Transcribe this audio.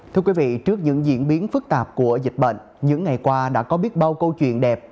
thưa quý vị trước những diễn biến phức tạp của dịch bệnh những ngày qua đã có biết bao câu chuyện đẹp